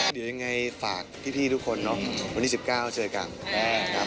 หรือยังไงฝากพี่ทุกคนเนอะวันที่๑๙เจอกัน